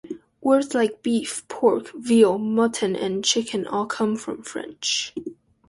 Words like "beef", "pork", "veal", "mutton", and "chicken" all come from French.